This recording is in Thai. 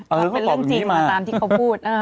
ถ้าเป็นเรื่องจริงตามที่เขาพูด